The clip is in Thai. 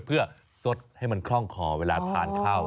เพื่อสดให้มันคล่องคอเวลาทานข้าว